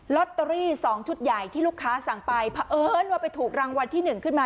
ลอตเตอรี่๒ชุดใหญ่ที่ลูกค้าสั่งไปเพราะเอิญว่าไปถูกรางวัลที่๑ขึ้นมา